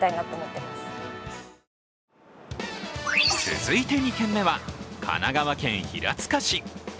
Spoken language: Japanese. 続いて２軒目は、神奈川県平塚市。